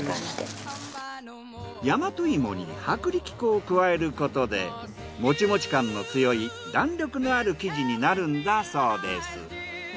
大和芋に薄力粉を加えることでモチモチ感の強い弾力のある生地になるんだそうです。